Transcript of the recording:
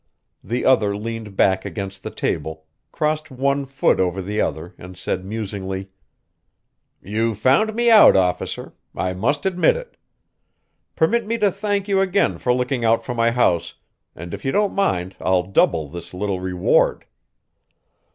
The other leaned back against the table, crossed one foot over the other and said musingly: "You found me out, Officer I must admit it. Permit me to thank you again for looking out for my house, and if you don't mind I'll double this little reward."